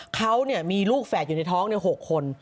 เขามีลูกแฝดอยู่ในท้อง๖คน